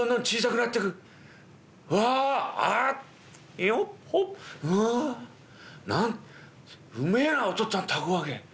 なんうめえなお父っつぁん凧揚げ。